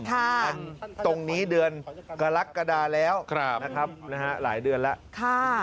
อันตรงนี้เดือนกรกฎาแล้วนะครับหลายเดือนแล้ว